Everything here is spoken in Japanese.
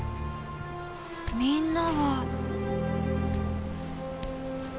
みんなは」。